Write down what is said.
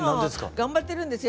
頑張ってるんですよ